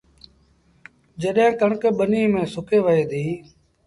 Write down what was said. جڏهيݩ ڪڻڪ ٻنيٚ ميݩ سُڪي وهي ديٚ